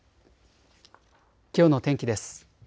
きょうの天気です。